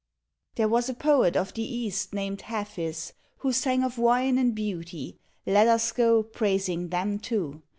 There was a poet of the East named Hafiz, Who sang of wine and beauty. Let us go Praising them too.